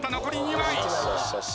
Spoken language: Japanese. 残り２枚。